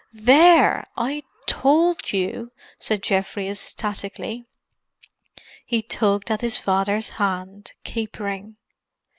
"There! I told you," said Geoffrey ecstatically. He tugged at his father's hand, capering.